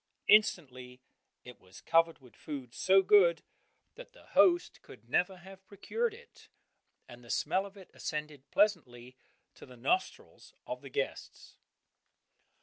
Instantly it was covered with food, so good that the host could never have procured it, and the smell of it ascended pleasantly to the nostrils of the guests.